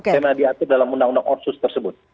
saya nadi atur dalam undang undang okses tersebut